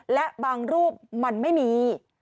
และบางรูปมันไม่มี